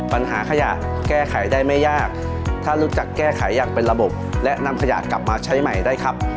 ปัญหาขยะแก้ไขได้ไม่ยากถ้ารู้จักแก้ไขอย่างเป็นระบบและนำขยะกลับมาใช้ใหม่ได้ครับ